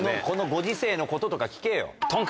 このご時世のこととか聞けよ。